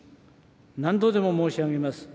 何度でも申し上げます。